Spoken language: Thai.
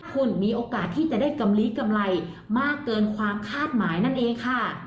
คุณมีโอกาสที่จะได้กำลีกำไรมากเกินความคาดหมายนั่นเองค่ะ